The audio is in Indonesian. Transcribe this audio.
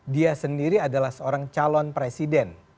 dia sendiri adalah seorang calon presiden